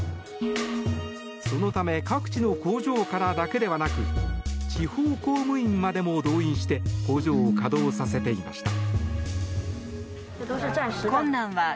そのため各地の工場からだけではなく地方公務員までも動員して工場を稼働させていました。